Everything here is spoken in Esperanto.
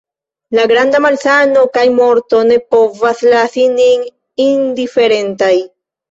La granda malsano kaj morto ne povas lasi nin indiferentaj.